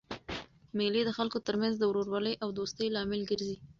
مېلې د خلکو ترمنځ د ورورولۍ او دوستۍ لامل ګرځي.